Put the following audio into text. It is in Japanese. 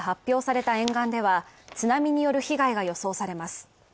津波警報が発表された沿岸では、津波による被害が予想されます。